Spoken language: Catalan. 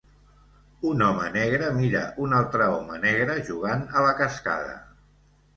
Un home negre mira un altre home negre jugant a la cascada.